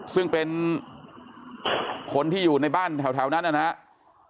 ซึ่งเป็นคนที่อยู่ในบ้านแถวนั้นนะครับ